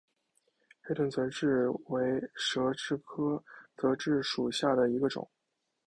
黑臀泽蛭为舌蛭科泽蛭属下的一个种。